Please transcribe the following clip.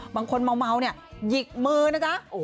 บางคนเมาหยิกมือนะ